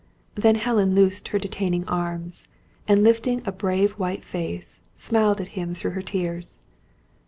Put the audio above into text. Then Helen loosed her detaining arms, and lifting a brave white face, smiled at him through her tears.